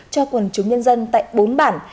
cho quần chúng nhân dân tại bốn bản